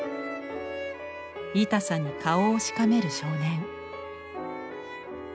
痛さに顔をしかめる少年。